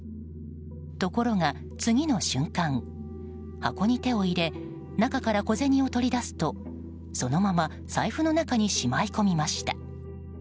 ところが次の瞬間、箱に手を入れ中から小銭を取り出すとそのまま財布の中にしまい込みました。